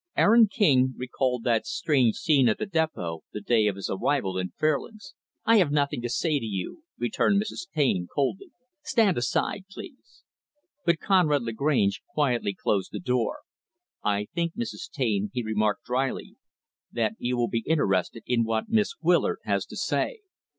Aaron King recalled that strange scene at the depot, the day of his arrival in Fairlands. "I have nothing to say to you" returned Mrs. Taine, coldly "stand aside please." But Conrad Lagrange quietly closed the door. "I think, Mrs. Taine," he remarked dryly, "than you will be interested in what Miss Willard has to say."